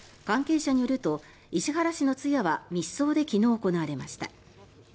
関係者によると石原氏の通夜は密葬で昨日行われました。